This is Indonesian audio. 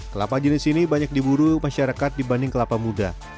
kelapa jenis ini banyak diburu masyarakat dibanding kelapa muda